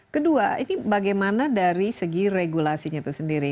kedua ini bagaimana dari segi regulasinya itu sendiri